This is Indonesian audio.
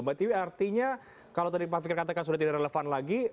mbak tiwi artinya kalau tadi pak fikir katakan sudah tidak relevan lagi